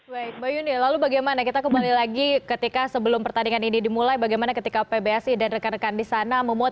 baik mbak yuni lalu bagaimana kita kembali lagi ketika sebelum pertandingan ini dimulai bagaimana ketika pbsi dan rekan rekan di sana